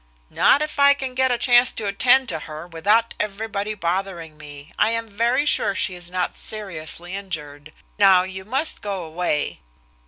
"Not if I can get a chance to attend to her without everybody bothering me. I am very sure she is not seriously injured. Now, you must go away."